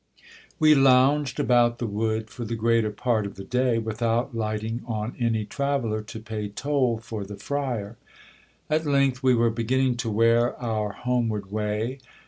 We lounged about the wood for the greater part of the day, without lighting on any traveller to pay toll for the friar. At length we were beginning to wear our homeward way.